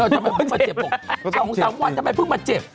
นองผมซ้ำวัดเนี่ยทำไมพึ่งมาเจ็บ